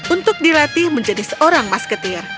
untuk dilatih menjadi seorang mas ketir